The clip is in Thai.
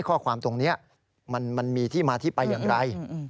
ข้อความตรงนี้มันมีที่มาที่ไปอย่างไร